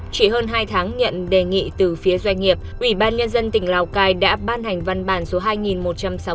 chỉ hơn hai tháng nhận đề nghị từ phía doanh nghiệp ủy ban nhân dân tỉnh lào cai đã ban hành văn bản số hai nghìn một trăm sáu mươi